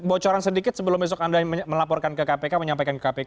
bocoran sedikit sebelum besok anda melaporkan ke kpk menyampaikan ke kpk